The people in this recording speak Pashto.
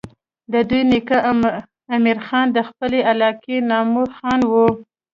د دوي نيکه امير خان د خپلې علاقې نامور خان وو